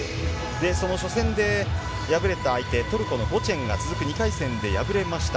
その初戦で敗れた相手、トルコのゴジェンが続く２回戦で敗れました。